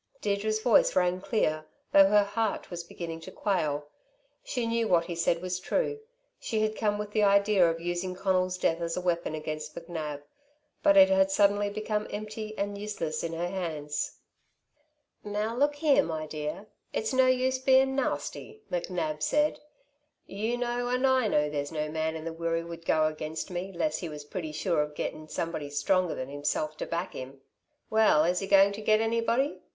Deirdre's voice rang clear, though her heart was beginning to quail. She knew that what he said was true. She had come with the idea of using Conal's death as a weapon against McNab; but it had suddenly become empty and useless in her hands. "Now look here, my dear, it's no use bein' nasty," McNab said. "You know and I know, there's no man in the Wirree would go against me 'less he was pretty sure of getting somebody stronger than himself to back him. Well, is he going to get anybody?